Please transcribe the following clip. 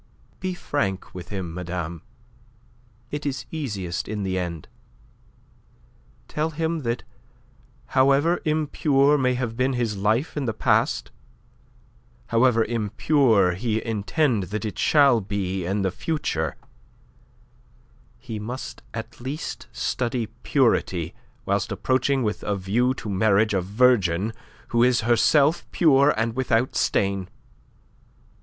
"Be frank with him, madame. It is easiest in the end. Tell him that however impure may have been his life in the past, however impure he intend that it shall be in the future, he must at least study purity whilst approaching with a view to marriage a virgin who is herself pure and without stain."